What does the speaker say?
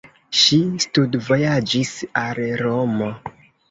Ŝi studvojaĝis al Romo.